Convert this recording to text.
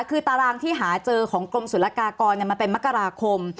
คือตารางที่หาเจอของกรมศุลกากรมันเป็นมกราคม